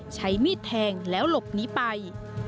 ใช้มีดแทงแล้วหลบหนีไป